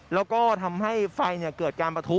แล้วก็ทำให้ไฟเกิดการประทุ